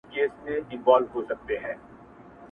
چي یې ګډ وي اخترونه چي شریک یې وي جشنونه!